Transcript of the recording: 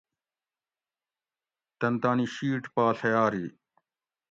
تن تانی شِیٹ پا ڷیاری